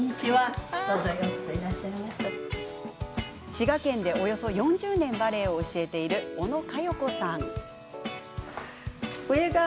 滋賀県で、およそ４０年バレエを教えている小野佳代子さん。